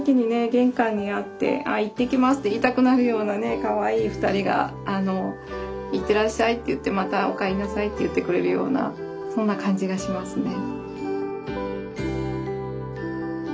玄関にあって「いってきます」って言いたくなるようなカワイイ２人が「いってらっしゃい」って言ってまた「おかえりなさい」って言ってくれるようなそんな感じがしますね。